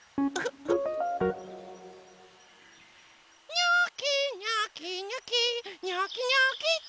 にょきにょきにょきにょきにょきと！